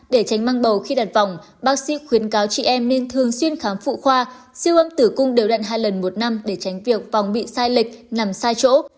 để tránh mang bầu khi đặt vòng bác sĩ khuyến cáo chị em nên thường xuyên khám phụ khoa siêu âm tử cung đều đạn hai lần một năm để tránh việc vòng bị sai lệch nằm sai chỗ